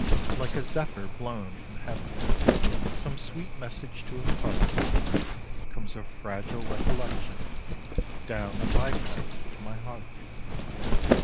Like a zephyr blown from heaven some sweet message to impart, Comes a fragile recollection down the by path to my heart.